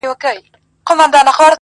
انسانيت د پېښې تر سيوري للاندي ټپي کيږي,